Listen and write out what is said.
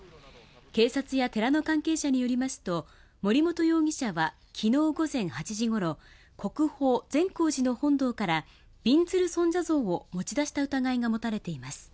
警察や寺の関係者によりますと森本容疑者は昨日午前８時ごろ国宝・善光寺の本堂からびんずる尊者像を持ち出した疑いが持たれています。